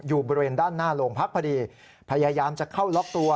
อยู่บริเวณด้านหน้าโรงพักพอดีพยายามจะเข้าล็อกตัว